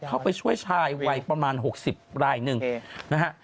เข้าไปช่วยชายวัยประมาณ๖๐รายหนึ่งนะฮะ